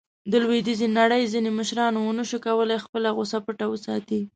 د لویدیځې نړۍ ځینو مشرانو ونه شو کولاې خپله غوصه پټه وساتي.